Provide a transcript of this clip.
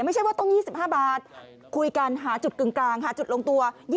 ไม่ใช่ว่าต้อง๒๕บาทคุยกันหาจุดกึ่งกลางหาจุดลงตัว